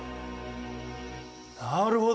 なるほど。